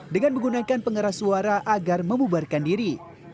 dengan menggunakan pengeras suara agar membubarkan diri